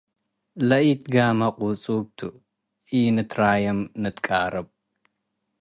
ለኢትጋመ ቁጹብ ቱ፡ ኢንትራየም ንትቃረብ።